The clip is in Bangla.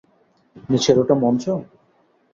নিচের ওটা মঞ্চ?